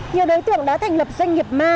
nhiều đối tượng đã thành lập doanh nghiệp ma